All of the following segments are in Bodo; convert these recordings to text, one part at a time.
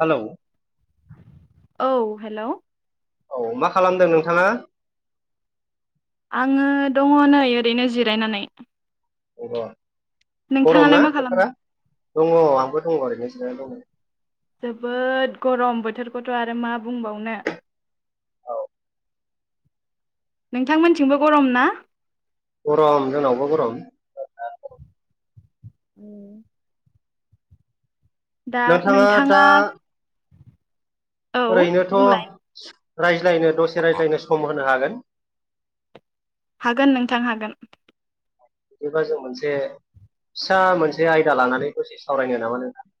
हेलौ औ हेलौ औ मा खालामदों नोंथाङा? आङो दङ नै ओरैनो जिरायनानै । अ गरम ना मा बोथोरा? खालामदों? दङ आंबो दङ ओरै [unintelligible] जोबोद गरम बोथोरखौथ' आरो मा बुंबावनो। नोंथांमोनथिंबो गरम ना? गरम जोंनावबो गरम। उम। नोंथाङा दा औ ओरैनोथ' बुंलाय रायज्लायनो दसे रायज्लायनो सम होनो हागोन। हागोन नोंथां हागोन। बिदिबा जों मोनसे फिसा मोनसे आयदा लानानैबो सावरायनो नामा नोंथां? [inaudible]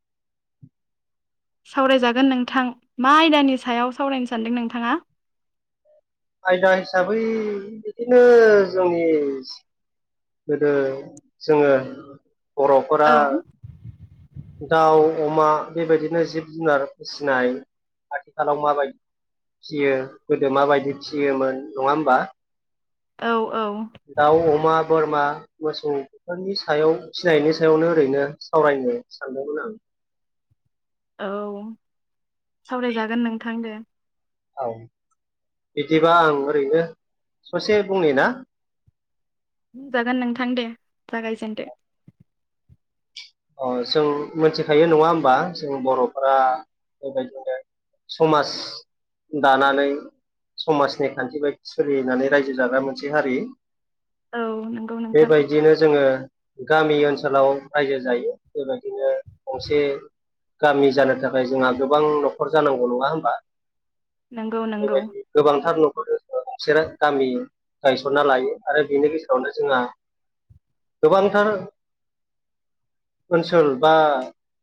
सावरायजागोन नोंथां। मा आयदानि सायाव सावरायनो सानदों नोंथाङा? आयदा हिसाबै बिदिनो जोंनि गोदो जोङो बर'फोरा औ दाउ-अमा बेबायदिनो जिब- जुनार फिसिनाय आथिखालाव माबायदि फियो गोदो माबायदि फियोमोन नङा होमबा? औ औ दाउ, अमा, बोरमा मोसौ बेफोरनि सायाव फिसिनायनि सायावनो ओरैनो सावरायनो सानदोंमोन आं। औ ।सावरायजागोन नोंथां दे। औ। बिदिबा आं ओरैनो ससे बुंनि ना? जागोन नोंथां दे। जागायजेनदो। अ जों मिथिखायो नङा होमबा जों बर'फोरा बेबायदिनो समाज दानानै समाजनि खान्थि बायदि सोलिनानै रायजो जाग्रा मोनसे हारि। औ नंगौ नोंथां बेबायदिनो जोङो गामि ओनसोलाव रायजो जायो बेबायदिनो गंसे गामि जानो थाखाय जोंहा गोबां न'खर जानांगौ नङा होमबा? नंगौ नंगौ। बेबायदि गोबांथार गंसे गामि गायसनना लायो आरो बिनि गेजेरावनो जोंहा गोबां थार ओनसोल बा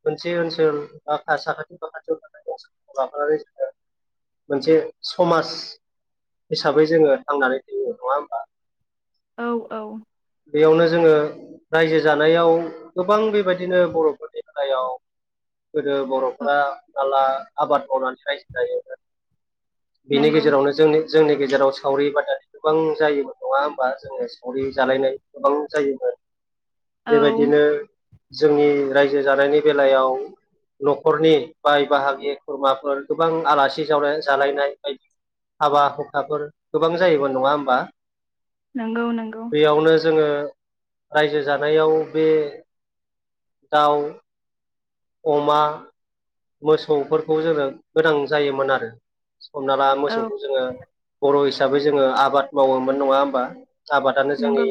मोनसे ओनसोल साखाथि- फाखाथियाव थानाय [unintelligible] मोनसे समाज हिसाबै जोङो थांनानै थायो ।नङा होमबा? औ औ। बेयावनो जोङो रायजो जानायाव गोबां बेबायदिनो बर'फोरनि [unintelligible] गोदो बर'फोरा माइ आबाद मावनानै रायजो जायोमोन। बेनि नंगौ गेजेरावनो जोंनि जोंनि गेजेराव सावरि- बादालि गोबां जायोबो नङा होमबा? जोङो सावरि जालायनाय गोबां जायोमोन । औ बेबायदिनो जोंनि रायजो जानायनि बेलायाव न'खरनि बाय-बाहागि खुरमाफोर गोबां आलासि ज' जालायनाय बायदि हाबा-हुखाफोर गोबां जायोमोन। नङा होमबा? नंगौ नंगौ। बेयावनो जोङो रायजो जानायाव बे दांव अमा, मोसौफोरखौ जोङो गोनां जायोमोन आरो। हमना ला औ मोसौखौ जोङो बर' हिसाबै जोङो आबाद मावोमोन ।नङा होमबा? आबादानो नंगौ जोंनि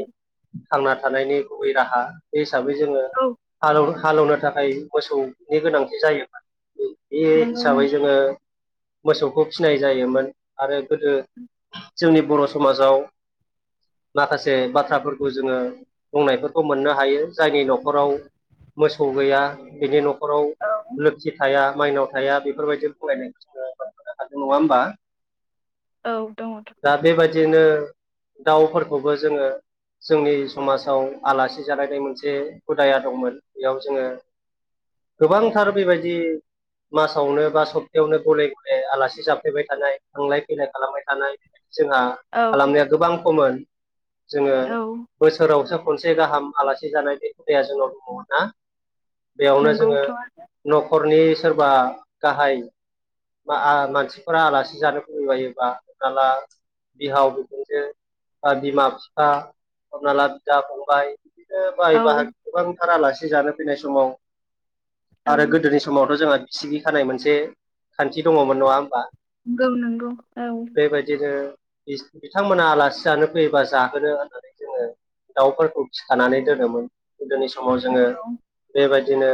थांना थानायनि गुबै राहा बे हिसाबै जोङो औ हालाव हालेवनो थाखाय मोसौनि गोनांथि जायो बे-बे नंगौ नों हिसाबै जोङो मोसौखौ फिनाय जायोमोन आरो गोदो जोंनि बर' समाजाव माखासे बाथ्राफोरखौ जोङो बुंनायफोरखौ मोननो हायो जायनि न'खराव मोसौ गैया बिनि न'खराव औ लोखि थाया। माइनाव थाया। बेफोरबायदि फरायनायखौ [inaudible] हादों नङा होमबा? औ, दङ। दिनो दाउफोरखौबो जोङो जोंनि समाजाव आलासि जालायनाय मोनसे हुदाया दंमोन बेयाव जोङो गोबांथार बेबायदि मासावनो बा सप्तायावनो गले गले आलासि जाफ्लेबाय थानाय थांलाय फैलाय खालामबाय थानाय जोंहा औ खालामनाया गोबां खममोन जोङो औ बोसोरावसो खनसे गाहाम आलासि जानाय बे खुदाया जोंनाव दङा ना बेयावनो जोङो नंगौथ' न'खरनि सोरबा गाहाय मा आ मानसिफोरा आलासि जानो [inaudible] योबा हमना ला बिहाव बिखुमजो बा बिमा फिफा हमना ला बिदा फंबाय बिदिनो बाहाय औ बाहाग गोबांथार आलासि जानो फैनाय समाव औ आरो गोदोनि समावथ' जोंहा बिसिगि खानाय मोनसे खान्थि दङमोन नङा होमबा गौ नंगौ औ बिस-बिथांमोना आलासि जानो फैयोबा जाहोनो होननानै जोङो दाउफोरखौ थिखानानै दोनोमोन गोदोनि समाव जोङो नंगौ बेबायदिनो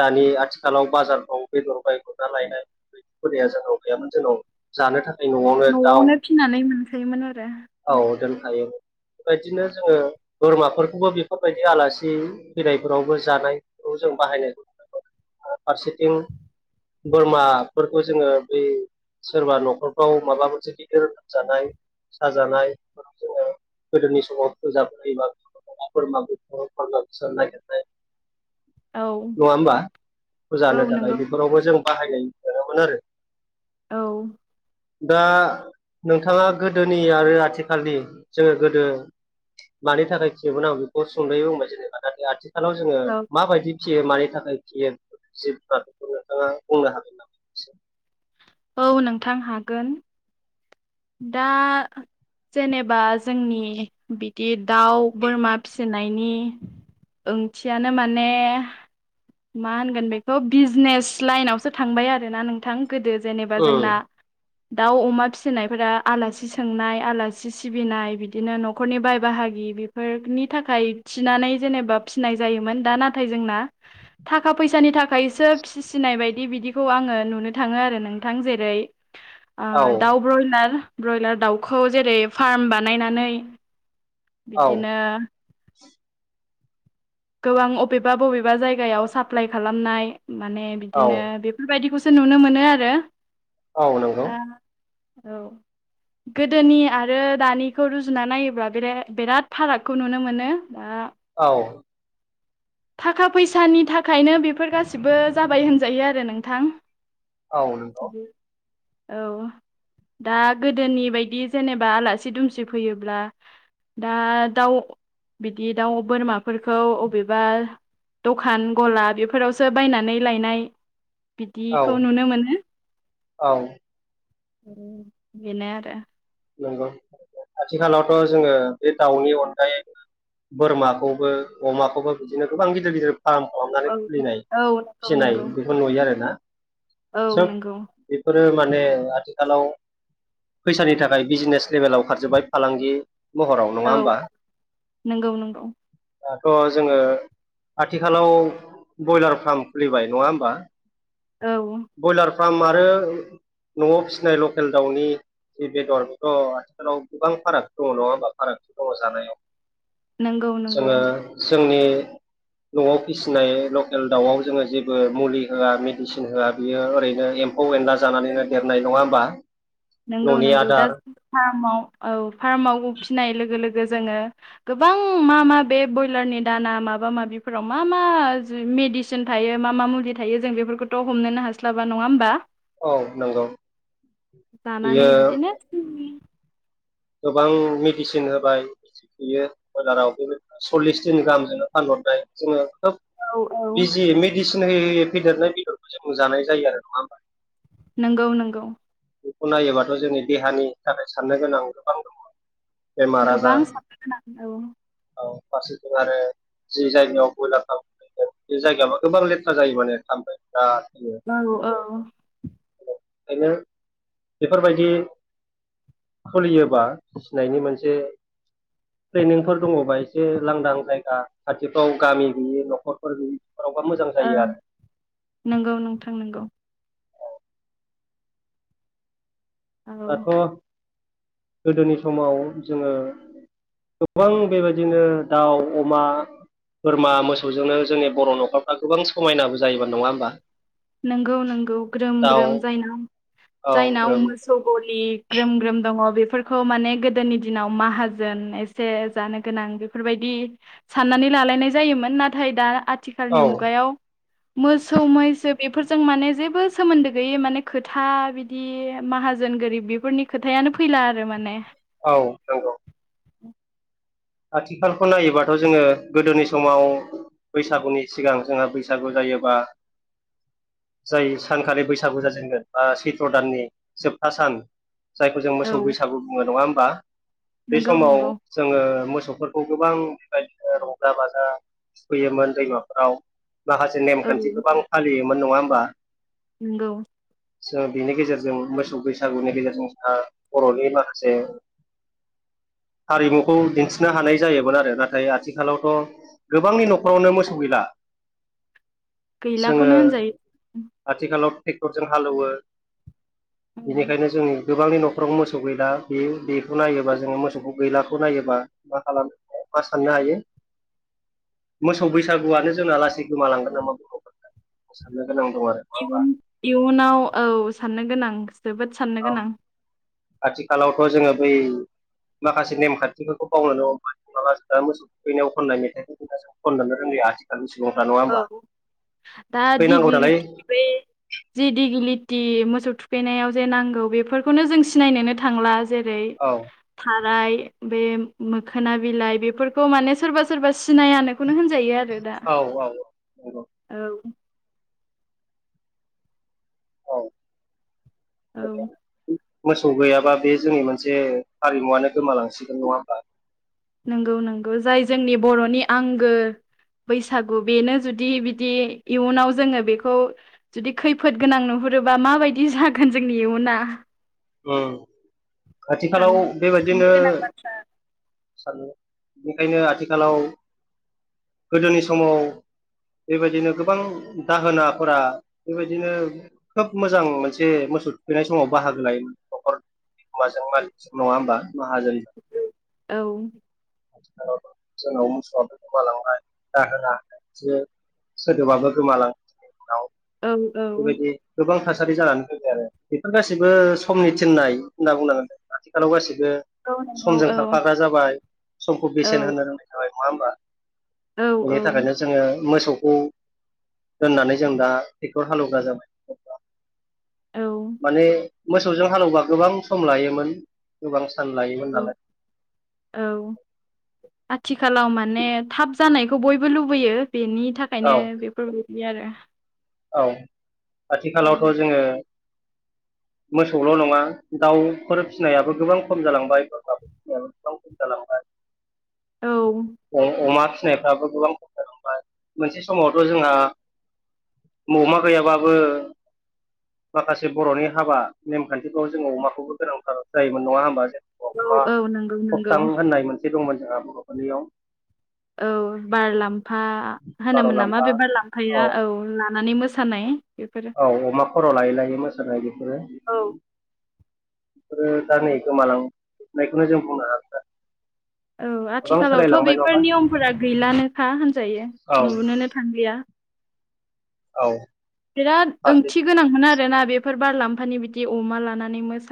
दानि आथिखालाव बाजारफ्राव बेदर बायखरना लायनाय बैफोरिया जोंनाव गैयामोन जोंनाव जानो थाखाय न'आवनो दाउ फिनानै मोनखायोमोन आरो औ उम। दोनखायो बायदिनो जोङो बोरमाफोरखौबो बेफोरबायदि आलासि फैनायफोरावबो जानाय औ जों बाहायनो [inaudible] फारसेथिं बोरमाफोरखौ जोङो बै सोरबा न'खरफ्राव माबा मोनसे गिदिर लोमजानाय साजानाय जोङो गोदोनि समाव [inaudible] नागिरनाय औ नङा ओमबा फुजा औ होनो थाखाय नंगौ बेफोरावबो जों बाहायनाय मोनोमोन आरो औ दा नोंथाङा गोदोनि आरो आथिखालनि जोङो गोदो मानि थाखाय फियोमोन आं बेखौ सुंदयै बुंसै जेनबा नाथाय आथिखालाव जोङो औ माबायदि फियो मानि थाखाय फियो बे जिफ्रा बेखौ नोंथाङा बुंनो हागोन नामा औ नोंथां हागोन दा जेनेबा जोंनि बिदि दाउ बोरमा फिसिनायनि ओंथियानो माने मा होनगोन बेखौ बिजनेस लाइनावसो थांबाय आरोना नोंथां गोदो जेनेबा जोंना उम दाउ अमा फिसिनाय फोरा आलासि सोंनाय आलासि सिबिनाय बिदिनो न'खरनि बाय बाहागि बिफोरनि थाखाय खाय थिनानै जेनेबा फिनाय जायोमोन दा नाथाय जोंना थाखा फैसानि था खायसो फिसिनाय बायदि बिदिखौ आङो नुनो थाङो आरो नोंथां जेरै ओ औ दाउब्र'यला ब्रयलार दाउखौ जेरै फार्म बानायनानै औ बिदिनो गोबां अबेबा बबेबा जायगायाव साप्लााय खालामनाय माने औ बिदिनो बेफोरबायदिखौ स नुनो मोनो आरो औ नंगौ दा औ। गोदोनि आरो दानिखौ रुजुना नायोब्ला बिरा-बिराद फारागखौ नुनो मोनो ओ औ। थाखा फैसानि थाखायनो बेफोर गाससिबो जाबाय होनजायो आरो नोंथां । औ नंगौ। औ। दा गोदोनि बायदि जेनेबा आलासि दुमसि फैयोब्ला दा दाउ बिदि दाउ बोरमाफोर खौ अबेबा दखान गला बेफोरावसो बायनानै लायनाय औ बिदिखौ नुनो मोनो औ बेनो आरो। नंगौ आथिखालावथ' जोङो बे दाउनि अनगायै बोरमाखौबो अमाखौबो बिदिनो गोबां गिदिर गिदिर फार्म खालामनानै औ खुलिनाय औ नंगौ फिसिनाय बेखौ नुयो आरोना‌। औ नोंगौ। ओ माने आथिखालाव फैसानि थाखाय बिजनेस लेभेलाव खारजोब्बाय फालांगि महराव नङा औ होमबा नोंगौ नोंगौ। दाथ' जोङो आथिखालाव ब्रयलार फार्म खुलिबाय नङा होमबा? औ। ब्रयलार फार्म आरो न'आव फिसिनाय लकेल दाउनि जि बेदर थ' आथिखालाव गोबां फारागथि दङ' नङा होमबा फारागथि दङ' जानायाव । नोंगौ नोंगौ। जोंनि न'आव फिसिनाय लकेल दाउआव जोङो जेबो मुलि होआ मेडिसिन होआ बियो ओरैनो एम फौ एनला जानानैनो देरनाय नङा होमबा? नोंगौ न'नि नोंगौ दा आदार फार्माव औ फार्माव फिनाय लोग गो लोगो जोङो गोबां मा मा बे ब्रयलारनि दाना माबा माबिफोराव मा मा मेडिसिन थायो मा मा मुलि थायो जों बेफोरखौथ' हमनोनो हास्लाबा नङा होमबा? औ नंगौ। जानानै बियो बिदिनो गोबां मेडिसिन होबाय ‌ थायो ब्रयलाराव बे सल्लिस दिन गाहामजोंनो फानहरनाय जोङो खोब औ औ बिजि मेडिसिन होयै होयै फेदेरनाय बेदरखौ जों जानाय जायो आरो नङा होमबा? नोंगौ नोंगौ । बेखौ नायोबाथ' जोंनि देहानि थाखाय साननो गोनां गोबां दङ'। बेमार गोबां आजार साननो गोनां औ फारसेजों आरो जि जायगायाव बयलार खालाम बे जायगाबा गोबां लेथ्रा जायो माने थामफै बिराद फैयो औ औ। ओंखायनो बेफोरबायदि खुलियोबा फिसिनायनि मोनसे ट्रेनिंफोर दङ'बा एसे लांदां जायगा खाथिफ्राव गामि गैयि न'खरफोर गैयि फोरावबा मोजां जायो ओं आरो नोंगौ नोंथां नोंगौ । औ दाथ' गोदोनि समाव जोङो गोबां बेबायदिनो दाउ अमा बोरमा मोसौजोंनो जोंनि बर' न'खरफ्रा गोबां समायनाबो जायोबा नङा होमबा? नोंगौ नोंगौ ग्रोम दाउ ग्रोम जायना औ जायनाव ग्रोम मोसौ गलि ग्रोम ग्रोम दङ' बे फोरखो माने गोदोनि दिनाव माहाजोन एसे जानो गोनां बेफोरबायदि साननानै लालायनाय जायोन नाथाय दा आथिखालनि औ मुगायाव मोसौ मैसो बेफोरजों माने जेबो सोमोन्दो गैयै माने खोथा बिदि माहाजोन गोरिब बेफोरनि खोथाया फैला आरो माने औ नोंगौ आथिखालखौ नायोबाथ' जोङो गोदोनि समाव बैसागुनि सिगां जोंहा बैसागु जायोबा जाय सानखालि बैसागु जाजेनगोन बा सैथ्र' दाननि जोबथा सान जायखौ जों मोसौ औ बैसागु बुङो नङा होमबा बे नंगौ समाव नंगौ जोङो मोसौफोरखौ गोबां बेबायदिनो रंजा बाजा थुखैयोमोन दैमाफोराव माखासे नेमखान्थि गोबां फालियोमोन नङा होमबा नोंगौ जों बेनि गेजेरजों मोसौ बैसागुनि गेजेरजों जोंहा बर'नि माखासे हारिमुखौ दिन्थि नो हानाय जायोमोन आरो नाथाय आथिखालावथ' गोबांनि न'खरावनो मोसौ गैला जोङो गैलाखौनो होनजायो आथिखालाव ट्रेक्टरजों हालौवो। बेनिखायनो जोंङो गोबांनि न'खराव मोसौ गैला बे-बेखौ नायोबा जोङो मोसौखौ गैलाखौ नायोब्ला मा खालाम मा साननो हायो। मोसौ बैसागुआनो जोंना लासै गोमालांगोन नामा बेखौ सानो। इयुन इयुनाव औ साननो गोनां जोबोद साननो औ गोनां। आथिखालावथ' जोङो बै माखासे नेमखान्थिफोरखौ बावननानै हमबाय नङाबा जोंना मोसौ थुखैनायाव खननाय मेथाइखौ जों खननो रोङै आथिखालनि सुबुं औ दा थुखैनांगौ दिगलि नालाय बै जि दिगलि थि मोसौ थुखैनायाव जे नांगौ बेफोरखौनो जों सिनायनोनो थांला। जेरै औ थाराय बे मोखोना बिलाइ बेफोरखौ माने सोरबा सोरबा सिनायानो बेखौनो होनजायो आरो दा। औ औ नंगौ औ। औ औ मोसौ गैयाबा बे जोंनि मोनसे हारिमुवानो गोमालांसिगोन नङा होमबा। नोंगौ नोंगौ जाय जोंनि बर'नि आंगो बैसागु बेनो जुदि बिदि इयुनाव जोङो बेखौ जुदि खैफोद गोनां नुहुरो रोब्ला माबायदि जागोन जोंनि इयुना। ओं सान खाथिखालाव बेबायदिनो साननो गोनां बाथ्रा सानो बेनिखायनो आथिखालाव गोदोनि समाव बेबायदिनो गोबां दाहोनाफोरा बेबायदिनो खोब मोजां मोनसे मोसौ थुखैनाय समाव बाहागो लायोमोन। न'खर बिगोमाजों मालिगजों नङा होमबा माहाजोन औ जोंनाव मोसौआ गोमालांबाय जाहोना बेसो। सोदोबाबो गोमालांसिगोन उनाव। औ औ बेबायदि गोबां थासारि जानानै फैबाय आरो बेफोर गासैबो समनि थिननाय होनना बुंनांगोन जों आथिखालाव गासैबो बे औ नंगौ समजों औ खारफाग्रा जाबाय समखौ बेसेन औ होनो रोंनाय थाबाय नङा होमबा। औ बेनि थाखायनो जोङो मोसौ- खौ दोननानै जों दा टेक्टर हालेवग्रा जाबाय। औ माने मोसौजों हालेवबा गोबां सम लायोमोन गोबां सान लायोमोन नालाय औ आथिखालाव माने थाब जानाय- खौ बयबो लुबैयो बेनि औ थाखायनो बेफोरबायदि आरो औ आथिखालावथ' जोङो मोसौल' नङा दाउफोर फिसिनायाबो गोबां खम जालांबाय बोरमाफोर [unintelligible] औ अ अमा फिसिनायफ्राबो गोबां खस्थार हबाय मोनसे समावथ' जोंहा ममा गैयाबाबो माखासे बर'नि हाबा नेमखान्थिफ्राव जोंङो अमाखौबो गोनांथार जायोमोन नङा होमबा जों औ अमा औ नंगौ नंगौ खबथां होननाय मोनसे दंमोन जोंहा बर'फोरनियाव औ बारलामाफा बार' होनोमोन नामा लाम्फा बे बारलामफाया औ लानानै मो सानाय औ अमा खर' लायै लायै मोसानाय बेफोरो औ बेफोरो दा नै गोमालांजोबनायखौनो जों बुंनो हागोन आरो औ आथिखालावथ' बेफोर नियमफोरा गैलानोखा होनजायो औ नुबोनो थां लिया औ बिराद फारसे ओंथि गोनांमोन आरोना बेफोर बार लाम्फानि बिदि अमा लानानै मोसा